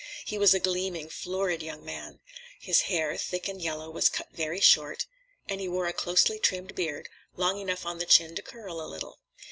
He was a gleaming, florid young fellow. His hair, thick and yellow, was cut very short, and he wore a closely trimmed beard, long enough on the chin to curl a little.